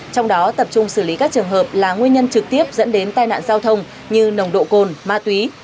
trong đó tập trung xử lý các trường hợp là nguyên nhân trực tiếp dẫn đến tai nạn giao thông như nồng độ cồn ma túy